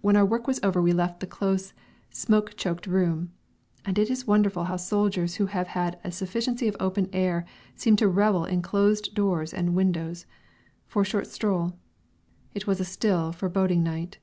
When our work was over we left the close, smoke choked room (and it is wonderful how soldiers who have had a sufficiency of open air life seem to revel in closed doors and windows!) for a short stroll. It was a still, foreboding night.